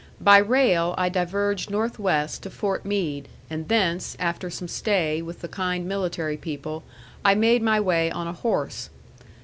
By rail I diverged northwest to Fort Meade, and thence, after some stay with the kind military people, I made my way on a horse.